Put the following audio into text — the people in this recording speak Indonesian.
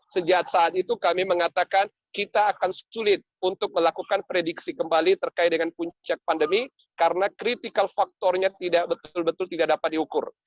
sejak saat itu kami mengatakan kita akan sulit untuk melakukan prediksi kembali terkait dengan puncak pandemi karena critical factornya tidak betul betul tidak dapat diukur